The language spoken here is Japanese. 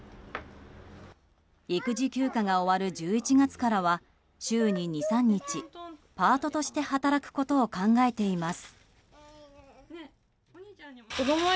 育児休暇が終わる１１月からは週に２３日パートとして働くことを考えています。